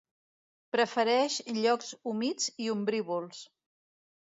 Prefereix llocs humits i ombrívols.